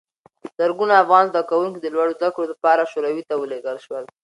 زرګونه افغان زدکوونکي د لوړو زده کړو لپاره شوروي ته ولېږل شول.